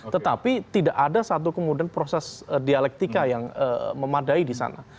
tetapi tidak ada satu kemudian proses dialektika yang memadai di sana